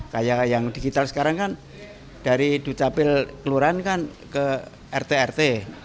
kayak yang digital sekarang kan dari dukcapil keluran kan ke rt rt